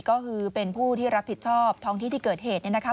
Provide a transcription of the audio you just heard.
ก็คือเป็นผู้ที่รับผิดชอบท้องที่ที่เกิดเหตุเนี่ยนะคะ